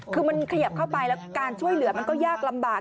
คือมันขยับเข้าไปแล้วการช่วยเหลือมันก็ยากลำบาก